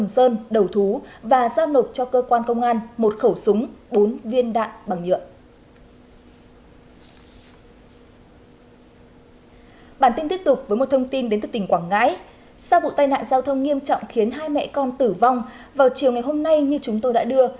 sau vụ tai nạn giao thông nghiêm trọng khiến hai mẹ con tử vong vào chiều ngày hôm nay như chúng tôi đã đưa